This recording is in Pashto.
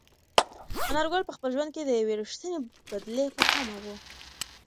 انارګل په خپل ژوند کې د یوې رښتینې بدلې په تمه و.